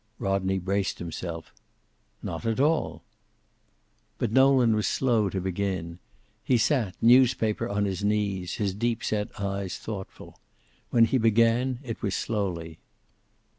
Rodney braced himself. "Not at all." But Nolan was slow to begin. He sat, newspaper on his knee, his deep set eyes thoughtful. When he began it was slowly.